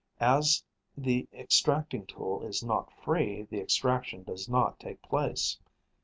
As the extracting tool is not free, the extraction does not take place.